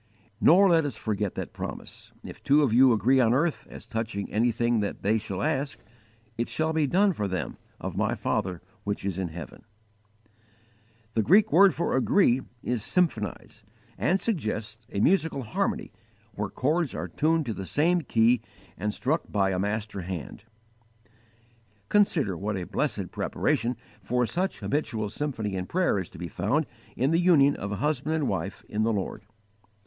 Nor let us forget that promise: "If two of you agree on earth as touching any thing that they shall ask, it shall be done for them of My Father which is in heaven." (Matt. xviii. 19.) The Greek word for "agree" is symphonize, and suggests a musical harmony where chords are tuned to the same key and struck by a master hand. Consider what a blessed preparation for such habitual symphony in prayer is to be found in the union of a husband and wife in the Lord!